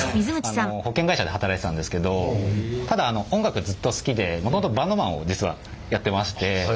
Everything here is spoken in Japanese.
保険会社で働いてたんですけどただ音楽がずっと好きでもともとバンドマンを実はやってまして。